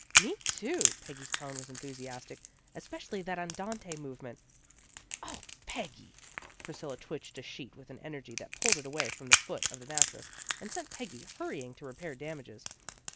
" Me, too! " Peggy's tone was enthusiastic. " Especially that andante movement." " O, Peggy! " Priscilla twitched a sheet with an energy that pulled it away from the foot of the mattress, and sent Peggy hurry ing to repair damages.